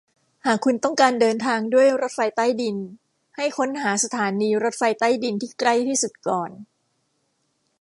หากคุณต้องการเดินทางด้วยรถไฟใต้ดินให้ค้นหาสถานีรถไฟใต้ดินที่ใกล้ที่สุดก่อน